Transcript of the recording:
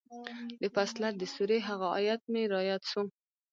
د فصلت د سورې هغه ايت مې راياد سو.